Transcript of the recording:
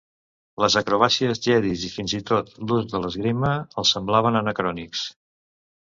Les acrobàcies Jedis i fins i tot l'ús de l'esgrima els semblaven anacrònics.